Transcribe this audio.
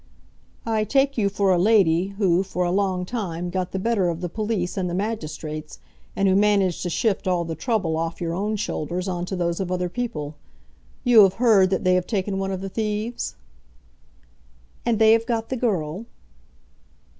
"I take you for a lady who, for a long time, got the better of the police and the magistrates, and who managed to shift all the trouble off your own shoulders on to those of other people. You have heard that they have taken one of the thieves?" "And they have got the girl."